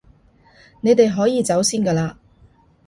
你哋可以走先㗎喇